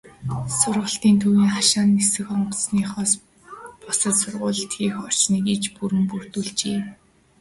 Сургалтын төвийн хашаанд нисэх онгоцныхоос бусад сургуулилалт хийх орчныг иж бүрэн бүрдүүлжээ.